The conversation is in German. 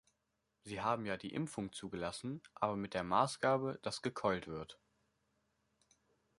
Sie haben ja die Impfung zugelassen, aber mit der Maßgabe, dass gekeult wird.